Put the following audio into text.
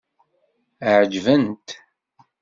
Ɛeǧben-t?